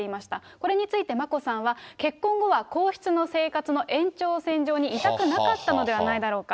これについて、眞子さんは、結婚後は皇室の生活の延長線上にいたくなかったのではないだろうか。